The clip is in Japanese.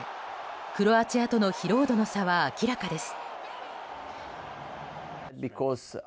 クロアチアとの疲労度の差は明らかです。